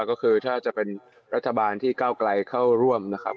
ก็คือถ้าจะเป็นรัฐบาลที่เก้าไกลเข้าร่วมนะครับ